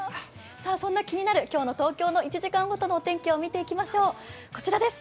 そんな気になる今日の東京の１時間ごとのお天気、見ていきましょう。